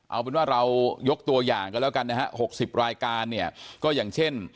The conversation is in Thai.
เอาเป็นว่าเรายกตัวอย่างกันแล้วกันนะฮะ๖๐รายการเนี่ยก็อย่างเช่น